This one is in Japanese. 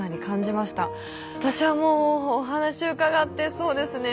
私はもうお話を伺ってそうですね